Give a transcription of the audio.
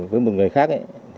với một người khác